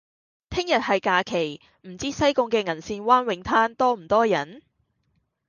聽日係假期，唔知道西貢嘅銀線灣泳灘多唔多人？